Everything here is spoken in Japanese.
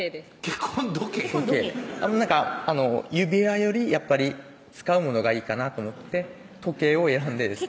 結婚時計指輪よりやっぱり使うものがいいかなと思って時計を選んでですね